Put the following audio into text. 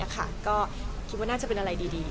ก็คิดว่าน่าจะเป็นอะไรดี